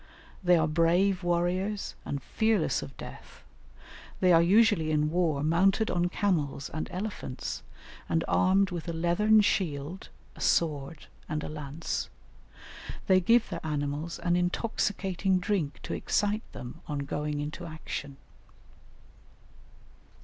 They are brave warriors and fearless of death; they are usually in war mounted on camels and elephants, and armed with a leathern shield, a sword, and a lance; they give their animals an intoxicating drink to excite them on going into action.